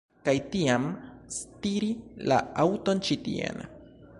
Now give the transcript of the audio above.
Kaj tiam stiri la aŭton ĉi tien